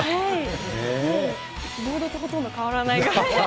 もうボードとほとんど変わらないぐらい。